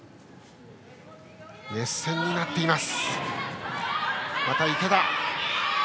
熱戦になっています。